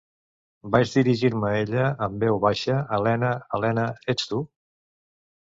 Vaig dirigir-me a ella amb veu baixa, Elena, Elena, ets tu?